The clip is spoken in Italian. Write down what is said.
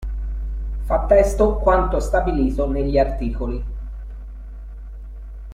Fa testo quanto stabilito negli artt.